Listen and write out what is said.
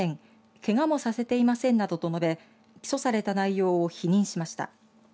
けがもさせていませんなどと述べ起訴された内容を否認しました。